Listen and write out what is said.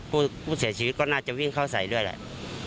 ผู้เสียชีวิตก็น่าจะวิ่งเข้าใส่ด้วยแหละ